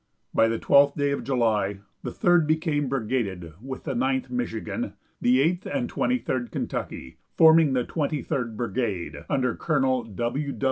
By the twelfth day of July, the Third became brigaded with the Ninth Michigan, the Eighth and Twenty third Kentucky, forming the Twenty third Brigade, under Col.